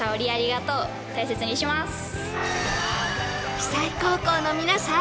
久居高校の皆さん